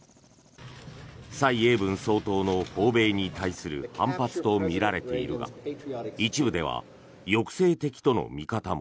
蔡英文総統の訪米に対する反発とみられているが一部では抑制的との見方も。